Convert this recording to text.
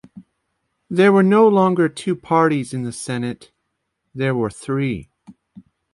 There were no longer two parties in the senate—there were three.